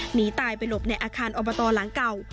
หนีตายไปหลบในอาคารอบตหลังเก่า